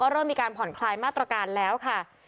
เริ่มมีการผ่อนคลายมาตรการแล้วค่ะ